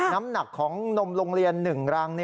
น้ำหนักของนมโรงเรียน๑รัง